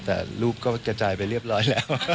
แต่รูปก็กระจายไปเรียบร้อยแล้ว